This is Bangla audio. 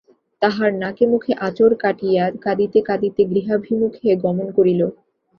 তাহার নাকে মুখে আঁচড় কাটিয়া কাঁদিতে কাঁদিতে গৃহাভিমুখে গমন করিল।